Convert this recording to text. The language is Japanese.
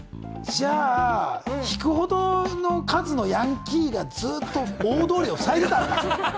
じゃあ、引くほどの数のヤンキーがずっと大通りをふさいでいた。